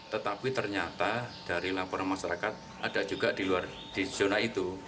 tetapi ternyata dari laporan masyarakat ada juga di luar di zona itu